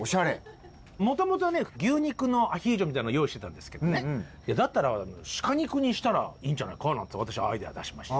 もともとね牛肉のアヒージョみたいの用意してたんですけどねだったらシカ肉にしたらいいんじゃないかなんて私アイデア出しまして。